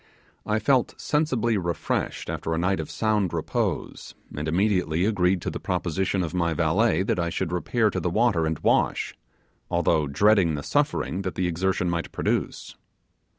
I felt sensibly refreshed after a night of sound repose, and immediately agreed to the proposition of my valet that I should repair to the water and wash, although dreading the suffering that the exertion might produce.